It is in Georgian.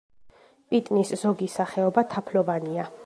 პიტნის ზოგი სახეობა თაფლოვანია.